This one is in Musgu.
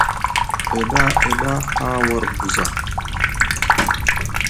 Eɗa eɗa haa war buza.